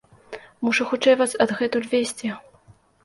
Мушу хутчэй вас адгэтуль весці.